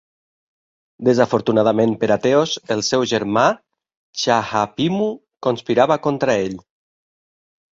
Desafortunadament per a Teos, el seu germà Tjahapimu conspirava contra ell.